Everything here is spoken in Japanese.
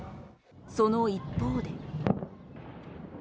その一方で。